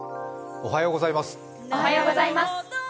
おはようございます。